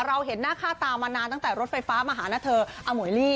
เห็นหน้าค่าตามานานตั้งแต่รถไฟฟ้ามาหานะเธออมวยลี่